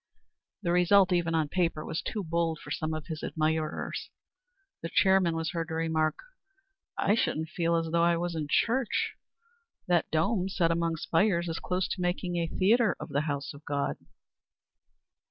The result, even on paper, was too bold for some of his admirers. The chairman was heard to remark: "I shouldn't feel as though I was in church. That dome set among spires is close to making a theatre of the house of God."